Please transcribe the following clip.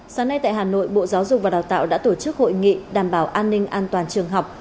sáng nay tại hà nội bộ giáo dục và đào tạo đã tổ chức hội nghị đảm bảo an ninh an toàn trường học